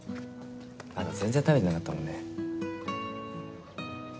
まだ全然食べてなかったもんね。